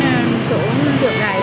số tượng đài này